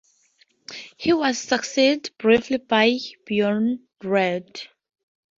He was succeeded, briefly, by Beornrad.